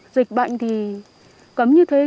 dịch bệnh thì cấm như thế